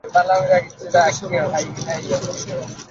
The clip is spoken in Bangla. এ জন্য সেবার মানসংক্রান্ত একটি নীতিমালা সম্প্রতি চূড়ান্ত করা হয়েছে।